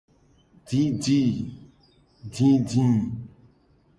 Didi.